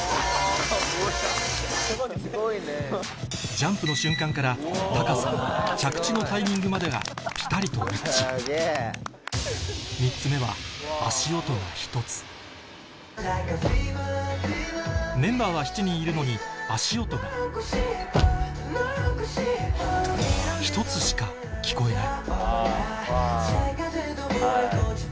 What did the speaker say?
ジャンプの瞬間から高さ着地のタイミングまでがピタリと一致メンバーは７人いるのに足音が１つしか聞こえない